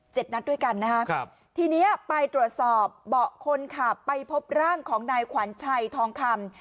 นัดด้วยกันนะครับทีเนี้ยไปตรวจสอบเบาะคนขับไปพบร่างของนายขวัญชัยทองคำ